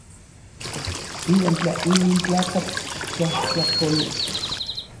Iuan tla inin tlakatl tlajtlakolej.